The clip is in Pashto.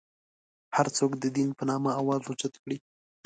هر څوک د دین په نامه اواز اوچت کړي.